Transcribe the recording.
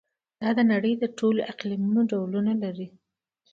دا د نړۍ د ټولو اقلیمونو ډولونه لري.